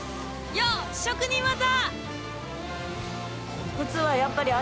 よっ職人技！